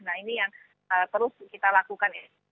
nah ini yang terus kita lakukan ya